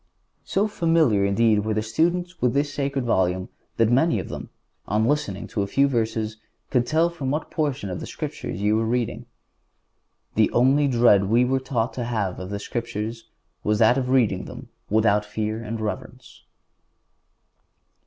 So familiar, indeed, were the students with the sacred Volume that many of them, on listening to a few verses, could tell from what portion of the Scriptures you were reading. The only dread we were taught to have of the Scriptures was that of reading them without fear and reverence.